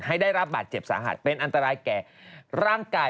ได้รับบาดเจ็บสาหัสเป็นอันตรายแก่ร่างกาย